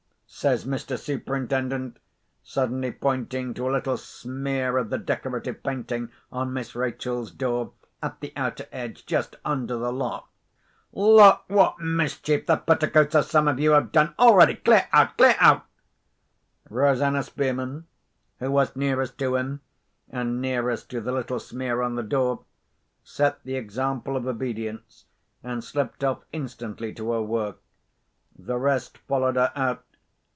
says Mr. Superintendent, suddenly pointing to a little smear of the decorative painting on Miss Rachel's door, at the outer edge, just under the lock. "Look what mischief the petticoats of some of you have done already. Clear out! clear out!" Rosanna Spearman, who was nearest to him, and nearest to the little smear on the door, set the example of obedience, and slipped off instantly to her work. The rest followed her out.